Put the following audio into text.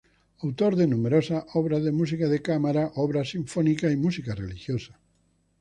Autor de numerosas obras de música de cámara, obras sinfónicas y música religiosa.